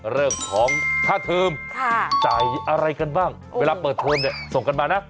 เรื่องของค่าเทิมจ่ายอะไรกันบ้างเวลาเปิดเทอมเนี่ยส่งกันมานะ